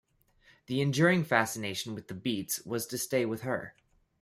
The enduring fascination with the Beats was to stay with her.